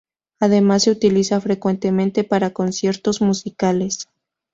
Además se utiliza frecuentemente para conciertos musicales.